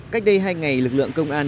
cách đây hai ngày lực lượng công an